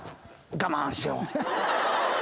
我慢しよ。